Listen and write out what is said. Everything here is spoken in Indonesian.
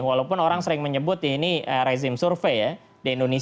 walaupun orang sering menyebut ini rezim survei ya di indonesia